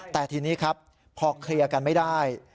แต่ทีนี้ครับพอเคลียร์กันไม่ได้